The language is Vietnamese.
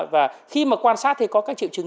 và khi mà quan sát thì có các triệu chứng